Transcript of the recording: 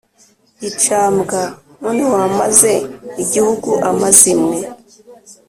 gicambwa none wamaze igihugu amazimwe